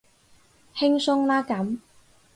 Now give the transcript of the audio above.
輕鬆啦咁